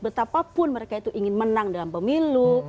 betapapun mereka itu ingin menang dalam pemilu